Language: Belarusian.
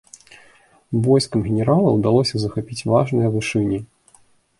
Войскам генерала ўдалося захапіць важныя вышыні.